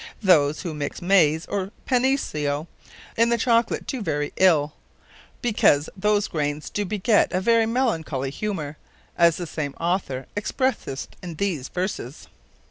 Those who mixe Maiz or Paniso in the Chocolate doe very ill; because those graines doe beget a very melancholly humour: as the same Author expresseth in these Verses.